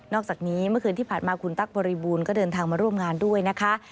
อกจากนี้เมื่อคืนที่ผ่านมาคุณตั๊กบริบูรณ์ก็เดินทางมาร่วมงานด้วยนะคะ